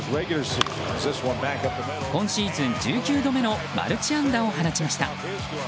今シーズン１９度目のマルチ安打を放ちました。